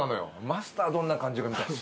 マスターどんな感じか見たい